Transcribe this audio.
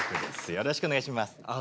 よろしくお願いします。